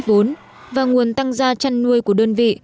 tích quý vốn và nguồn tăng gia chăn nuôi của đơn vị